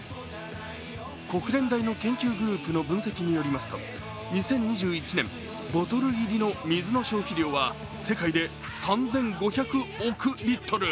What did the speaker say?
国連大の研究グループの分析によりますと２０２１年、ボトル入りの水の消費量は世界で３５００億リットル。